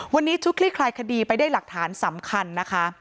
วันนี้ชุดคลี่คลายคดีไปได้หลักฐานสำคัญนะคะ